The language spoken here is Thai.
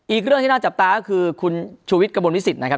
อีกเรื่องที่น่าจับตาก็คือคุณชูวิทย์กระมวลวิสิตนะครับ